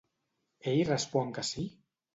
Ell respon que sí?